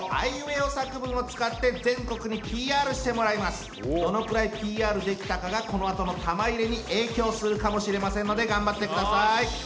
さあ今からどのくらいＰＲできたかがこのあとの玉入れに影響するかもしれませんので頑張ってください。